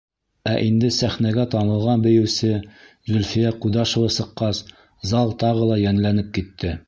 Ә инде сәхнәгә танылған бейеүсе Зөлфиә Ҡудашева сыҡҡас, зал тағы ла йәнләнеп китте.